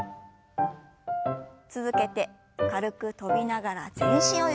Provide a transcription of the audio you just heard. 続けて軽く跳びながら全身をゆすります。